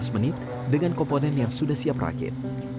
lima belas menit dengan komponen yang sudah siap rakit